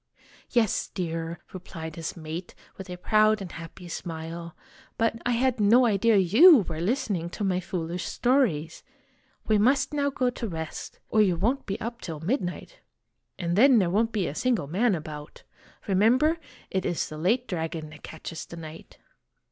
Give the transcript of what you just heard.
"Yes, dear," replied his mate, with a proud and happy smile; "but I had no idea you were listening to my foolish stories. We must now go to rest, or you won't be up till midnight and then there won't be a single man about. Remember, ' It is the late dragon that catches the knight.'